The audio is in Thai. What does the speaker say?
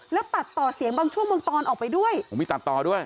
แล้วตัดต่อเสียงบางช่วงบางตอนออกไปด้วยผมมีตัดต่อด้วย